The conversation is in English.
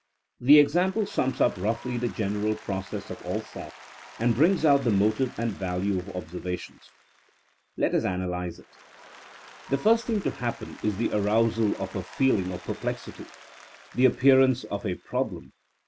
... The example sums up roughly the general process of all thought, and brings out the mo tive and value of observation. Let us analyze it. 28 THINKINa AS A SOIENOE The first thing to happen is the arousal of a feeling of perplexity, the appearance of a problem.